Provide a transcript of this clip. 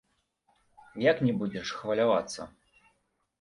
Як не будзеш хвалявацца?